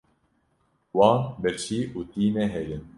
Wan birçî û tî nehêlin.